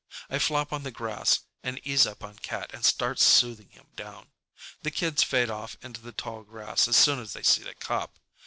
I flop on the grass and ease up on Cat and start soothing him down. The kids fade off into the tall grass as soon as they see the cop.